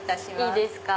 いいですか？